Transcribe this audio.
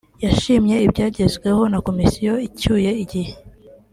yashimye ibyagezweho na Komisiyo icyuye igihe